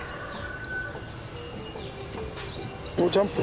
おジャンプ！